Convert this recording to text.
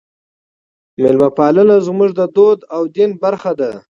میلمه پالنه زموږ د کلتور او دین برخه ده.